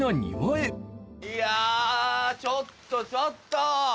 いやちょっとちょっと！